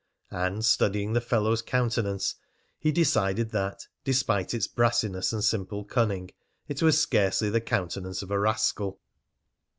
And studying the fellow's countenance, he decided that, despite its brassiness and simple cunning, it was scarcely the countenance of a rascal.